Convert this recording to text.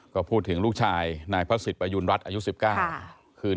ก็พูดถึงลูกชายนายพระสิทธิ์อายุรัตร๑๙คืน